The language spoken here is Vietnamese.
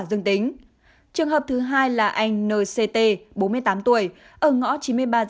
dân tính trường hợp thứ hai là anh nct bốn mươi tám tuổi ở ngõ chín mươi ba giáp nhi